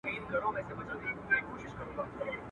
کرۍ ورځ په کور کي لوبي او نڅا کړي.